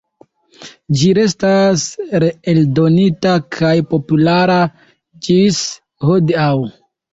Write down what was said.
Ĝi restas reeldonita kaj populara ĝis hodiaŭ.